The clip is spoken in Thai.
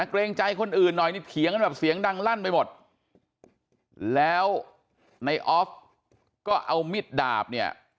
เกรงใจคนอื่นหน่อยนี่เถียงกันแบบเสียงดังลั่นไปหมดแล้วในออฟก็เอามิดดาบเนี่ย